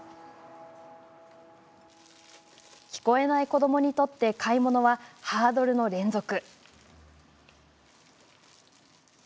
聞こえない子どもにとって買い物はハードルの連続。